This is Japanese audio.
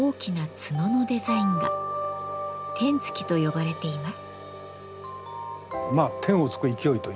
天衝と呼ばれています。